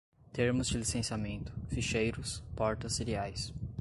termos de licenciamento, ficheiros, portas seriais